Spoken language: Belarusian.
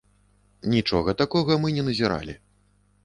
Нічога такога мы не назіралі.